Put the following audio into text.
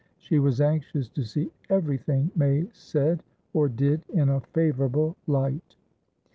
She was anxious to see everything May said or did in a favourable light.